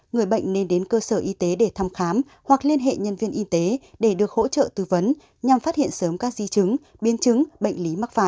người bệnh nên đến cơ sở y tế để thăm khám hoặc liên hệ nhân viên y tế để được hỗ trợ tư vấn nhằm phát hiện sớm các di chứng biến chứng bệnh lý mắc phải